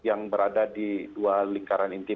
yang berada di dua lingkaran inti